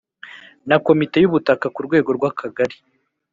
na Komite y Ubutaka ku rwego rw Akagari